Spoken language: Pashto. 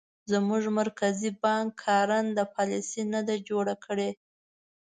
زموږ مرکزي بانک کارنده پالیسي نه ده جوړه کړې.